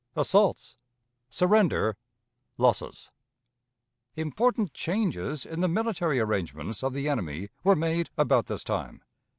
Assaults. Surrender. Losses. Important changes in the military arrangements of the enemy were made about this time.